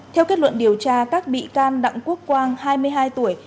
theo kết luận điều tra các bị can đặng quốc quang hai mươi hai tuổi